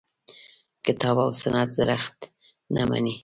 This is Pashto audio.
کتاب او سنت زړښت نه مني.